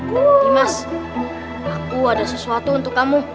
dimas aku ada sesuatu untuk kamu